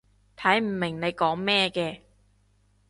睇唔明你講咩嘅